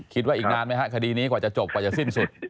คิดว่าอีกนานไหมฮะคดีนี้กว่าจะจบกว่าจะสิ้นสุด